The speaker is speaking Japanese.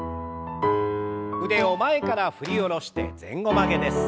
腕を前から振り下ろして前後曲げです。